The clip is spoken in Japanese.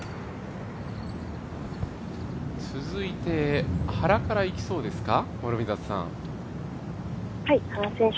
続いて原からいきそうですか。